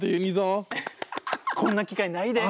こんな機会ないで。